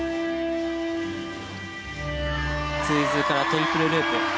ツイズルからトリプルループ。